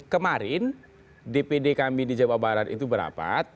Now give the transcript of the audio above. kemarin dpd kami di jawa barat itu berapat